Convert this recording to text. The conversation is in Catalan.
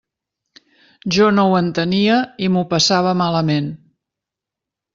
Jo no ho entenia i m'ho passava malament.